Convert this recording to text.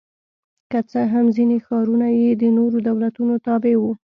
که څه هم ځیني ښارونه یې د نورو دولتونو تابع وو